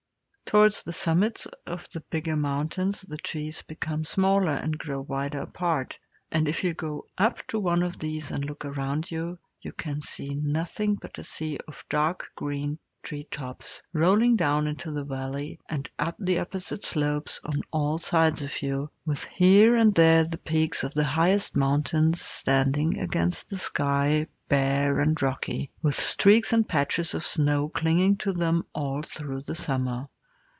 Towards the summits of the bigger mountains the trees become smaller and grow wider apart, and if you go up to one of these and look around you, you can see nothing but a sea of dark green tree tops, rolling down into the valley and up the opposite slopes on all sides of you, with here and there the peaks of the highest mountains standing against the sky bare and rocky, with streaks and patches of snow clinging to them all through the summer.